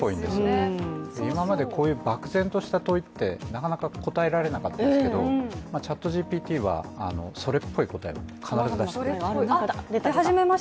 今までこういう漠然とした問いってなかなか答えられなかったんですけどＣｈａｔＧＰＴはそれっぽい答えを必ず出してくれます。